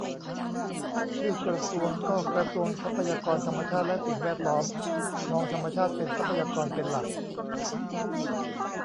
ชื่อกระทรวงก็กระทรวงทรัพยากรธรรมชาติและสิ่งแวดล้อม มองธรรมชาติเป็นทรัพยากรเป็นหลัก